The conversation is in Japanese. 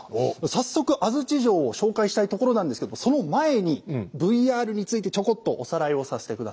早速安土城を紹介したいところなんですけどもその前にＶＲについてちょこっとおさらいをさせて下さい。